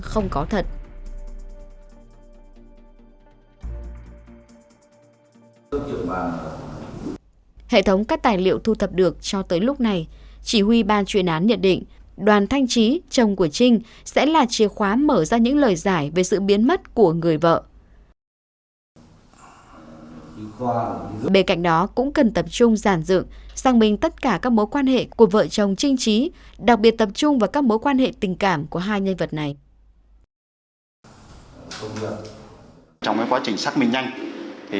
không có chăm sóc con cái và cũng chia sẻ với người đàn ông này là trinh đang có ý định là muốn ly hôn với người chồng này